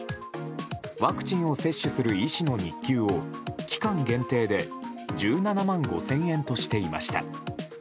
ワクチンを接種する医師の日給を期間限定で１７万５０００円としていました。